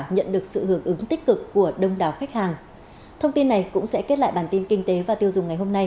nhận được sự hưởng ứng tích